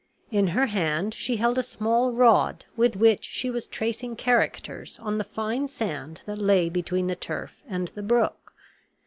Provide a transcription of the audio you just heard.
In her hand she held a small rod with which she was tracing characters on the fine sand that lay between the turf and the brook.